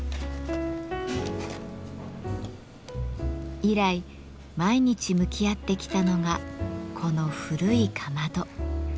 以来毎日向き合ってきたのがこの古いかまど。